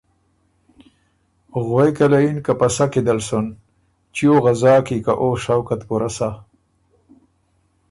غوېکه له یِن که ”پسَۀ کی دل سُن، چیو غزا کی، که او شوق ات پُورۀ سَۀ“